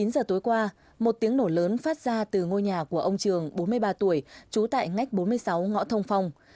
chín giờ tối qua một tiếng nổ lớn phát ra từ ngôi nhà của ông trường bốn mươi ba tuổi trú tại ngách bốn mươi sáu ngõ thông phong